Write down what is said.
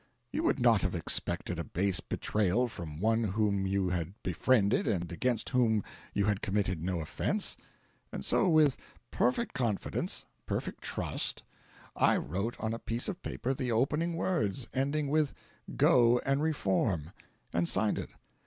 You would not have expected a base betrayal from one whom you had befriended and against whom you had committed no offence. And so with perfect confidence, perfect trust, I wrote on a piece of paper the opening words ending with "Go, and reform," and signed it.